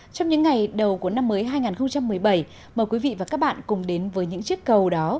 trong những ngày đầu của năm mới hai nghìn một mươi bảy mời quý vị và các bạn cùng đến với những chiếc cầu đó